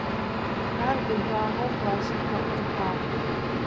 Ар гужъуагъэу классым къыӀухьагъ.